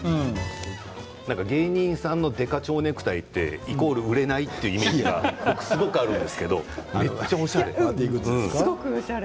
芸人さんのデカ蝶ネクタイってイコール売れないというイメージがめっちゃあるんですけれどもすごくおしゃれ。